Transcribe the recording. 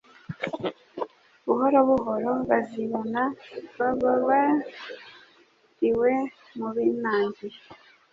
Buhoro buhoro bazibona babariwe mu binangiye.